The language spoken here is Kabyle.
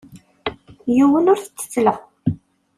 Yiwen ur t-ttettleɣ.